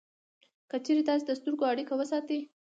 که چېرې تاسې د سترګو اړیکه وساتئ